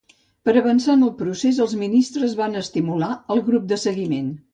Per avançar en el procés, els ministres van estimular el grup de seguiment